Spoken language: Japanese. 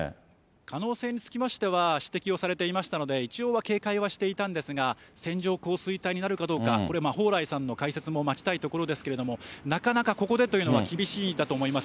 可能性につきましては指摘をされていましたので、一応は警戒はしていたんですが、線状降水帯になるかどうか、これ蓬莱さんの解説も待ちたいところですが、なかなかここでというのは、厳しいかと思います。